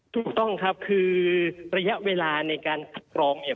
ถูกต้องครับคือระยะเวลาในการคัดกรองเนี่ย